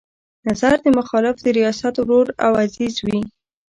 د نظر مخالف د ریاست ورور او عزیز وي.